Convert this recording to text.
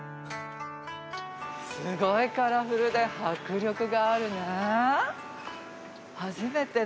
すごいカラフルで迫力があるわ。